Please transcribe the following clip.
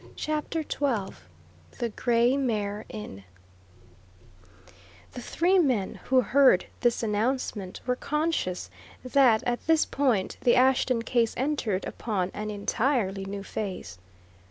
CHAPTER XII THE GREY MARE INN The three men who heard this announcement were conscious that at this point the Ashton case entered upon an entirely new phase.